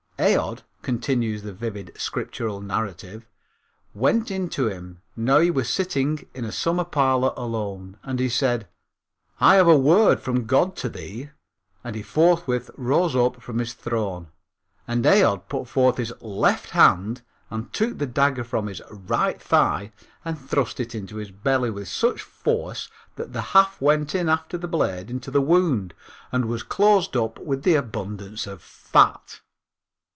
"Aod," continues the vivid scriptural narrative, "went in to him: now he was sitting in a summer parlor alone, and he said: I have a word from God to thee. And he forthwith rose up from his throne. And Aod put forth his left hand, and took the dagger from his right thigh, and thrust it into his belly with such force that the haft went in after the blade into the wound, and was closed up with the abundance of fat."